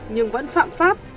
nhưng vẫn phạm pháp